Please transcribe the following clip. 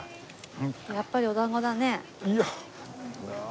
やっぱりお団子だね。